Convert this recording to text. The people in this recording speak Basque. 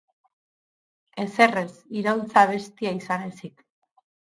Ezer ez, iraultza-abestia izan ezik.